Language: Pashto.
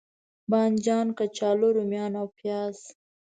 بانجان، کچالو، روميان او پیاز